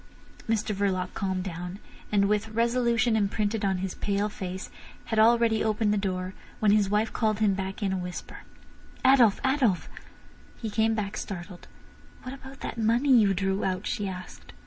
Mr Verloc calmed down, and, with resolution imprinted on his pale face, had already opened the door, when his wife called him back in a whisper: "Adolf! Adolf!" He came back startled. "What about that money you drew out?" she asked.